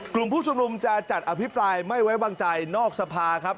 กลุ่มผู้ชุมนุมจะจัดอภิปรายไม่ไว้วางใจนอกสภาครับ